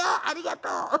ありがとう。